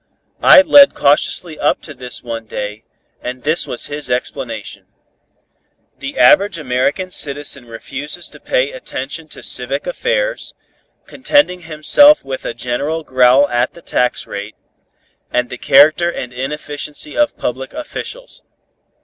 I led cautiously up to this one day, and this was his explanation: "The average American citizen refuses to pay attention to civic affairs, contenting himself with a general growl at the tax rate, and the character and inefficiency of public officials.